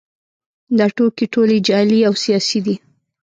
دا ټوکې ټولې جعلي او سیاسي دي